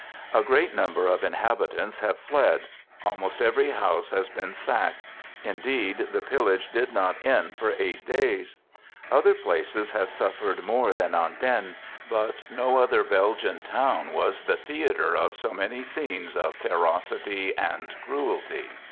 A great number of inhabitants have fled. Almost every house has been sacked; indeed, the pillage did not end for eight days. Other places have suffered more than Andenne, but no other Belgian Town was the theatre of so many scenes of ferocity and cruelty.